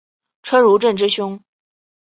车汝震之兄。